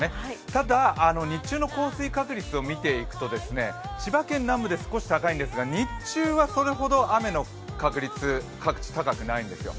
ただ、日中の降水確率を見ていくと千葉県南部で少し高いんですが、日中はそれほど雨の確率、各地、高くないんですよ。